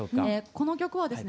この曲はですね